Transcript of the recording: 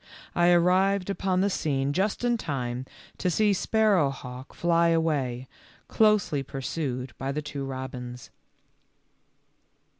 I arrived upon the scene just in time to see Sparrowhawk fly away, closely pursued by the two robins.